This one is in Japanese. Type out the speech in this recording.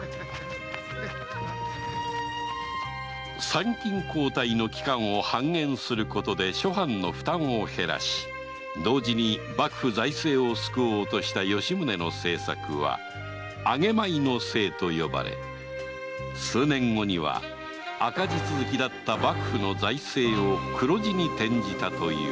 参勤交代の期間を半減することで諸藩の負担を減らし同時に幕府財政を救おうとした吉宗の政策は「上米の制」と呼ばれ数年後には赤字続きだった幕府の財政を黒字に転じたという